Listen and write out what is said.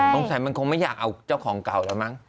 สงสัยมันคงไม่อยากเอาเจ้าของเก่าแล้วมั้ง